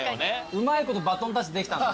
うまいことバトンタッチできた。